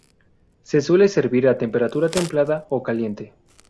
Se suele servir a temperatura templada o caliente.